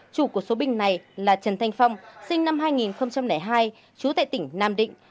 chủ của số bình này là trần thanh phong sinh năm hai nghìn hai trú tại tỉnh nam định